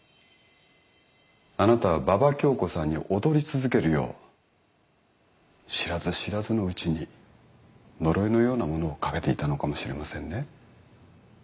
あなたは馬場恭子さんに踊り続けるよう知らず知らずのうちに呪いのようなものをかけていたのかもしれませんね。